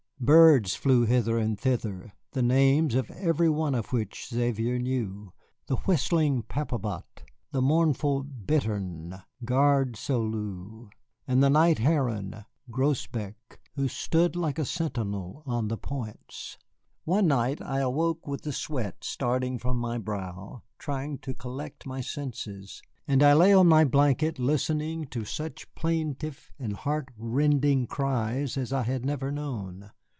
Birds flew hither and thither (the names of every one of which Xavier knew), the whistling papabot, the mournful bittern (garde soleil), and the night heron (grosbeck), who stood like a sentinel on the points. One night I awoke with the sweat starting from my brow, trying to collect my senses, and I lay on my blanket listening to such plaintive and heart rending cries as I had never known.